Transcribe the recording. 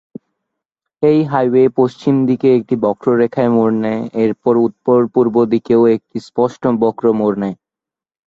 এই হাইওয়ে পশ্চিম দিকে একটি বক্ররেখায় মোর নেয়, এরপর উত্তরপূর্ব দিকেও একটি স্পষ্ট বক্র মোর নেয়।